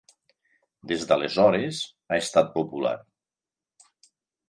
Des d'aleshores ha estat popular.